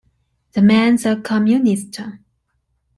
The man's a Communist!